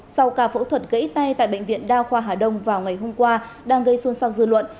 sau cả phẫu thuật gãy tay tại bệnh viện đa khoa hà đông vào ngày hôm qua đang gây xuân sọc dư luận